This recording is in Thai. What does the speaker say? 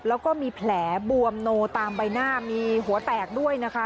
แล้วก็มีแผลบวมโนตามใบหน้ามีหัวแตกด้วยนะคะ